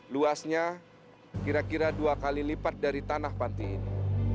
luasnya kira kira dua kali lipat dari tanah panti ini